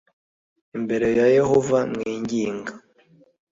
imbere ya yehova mwinginga